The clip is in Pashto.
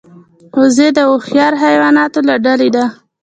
وزې د هوښیار حیواناتو له ډلې ده